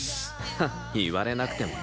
ハッ言われなくても。